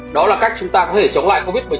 đó là cách chúng ta có thể chống lại covid một mươi